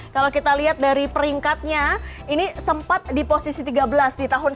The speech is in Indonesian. kalau kita lihat dari peringkatnya ini sempat di posisi tiga belas di tahun sembilan puluh delapan